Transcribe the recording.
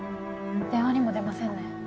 電話にも出ませんね。